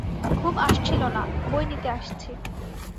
ঘুম আসছিলো না, বই নিতে আসছি।